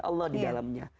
allah di dalamnya